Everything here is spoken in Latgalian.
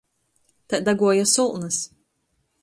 Tai daguoja solnys...